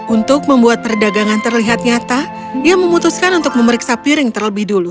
untuk membuat perdagangan terlihat nyata ia memutuskan untuk memeriksa piring terlebih dulu